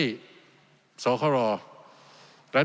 ศาลิราชฯศาลิราชฯศาลิราชฯศาลิราชฯ